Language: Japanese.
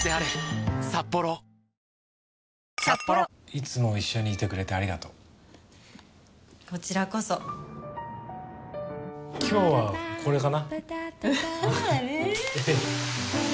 いつも一緒にいてくれてありがとうこちらこそ今日はこれかな